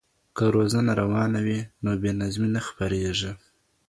که روزنه روانه وي نو بې نظمي نه خپریږي.